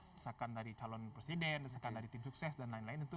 desakan dari calon presiden desakan dari tim sukses dan lain lain itu